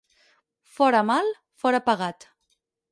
Fora mal, fora pegat.